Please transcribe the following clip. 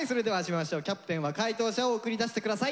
キャプテンは解答者を送り出して下さい。